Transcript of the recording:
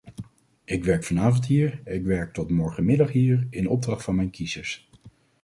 Ik werk vanavond hier, ik werk tot morgenmiddag hier, in opdracht van mijn kiezers.